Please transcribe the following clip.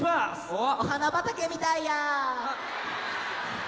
お花畑みたいや！